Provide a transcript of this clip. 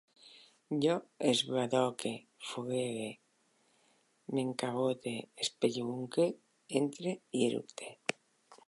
Jo esbadoque, foguege, m'encabote, espelluque, entre, eructe